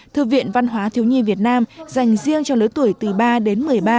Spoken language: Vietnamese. thư viện văn hóa thiếu nhi việt nam dành riêng cho lứa tuổi từ ba đến một mươi ba